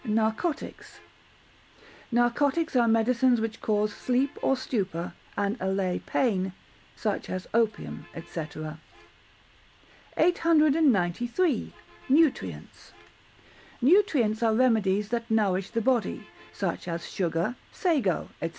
Narcotics Narcotics are medicines which cause sleep or stupor, and allay pain, such as opium, &c. 893. Nutrients Nutrients are remedies that nourish the body, such as sugar, sago, &c.